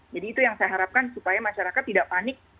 jadi itu yang saya harapkan supaya masyarakat tidak panik